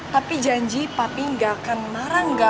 tapi janji papi gak akan marah enggak